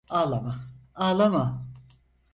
Ağlama, ağlama.